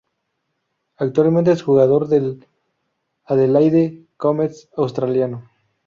Actualmente es jugador del Adelaide Comets australiano.